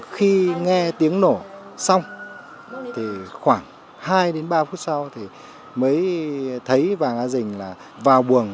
khi nghe tiếng nổ xong khoảng hai ba phút sau mới thấy vàng á rình vào buồng